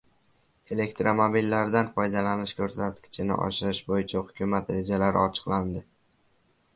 Elektromobillardan foydalanish ko‘rsatkichini oshirish bo‘yicha hukumat rejalari ochiqlandi